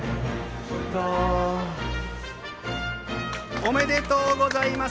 おめでとうございます。